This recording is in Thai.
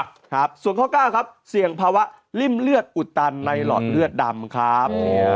ครับส่วนข้อเก้าครับเสี่ยงภาวะริ่มเลือดอุดตันในหลอดเลือดดำครับ